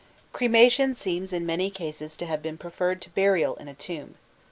Cremation seems in many cases to have been preferred to burial in a tomb.